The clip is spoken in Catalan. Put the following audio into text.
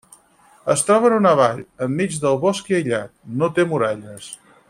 Es troba en una vall, en mig del bosc i aïllat, no té muralles.